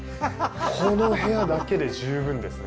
この部屋だけで十分ですね。